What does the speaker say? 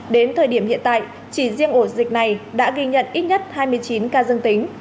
đến thời điểm hiện tại chỉ riêng ổ dịch này đã ghi nhận ít nhất hai mươi chín ca dương tính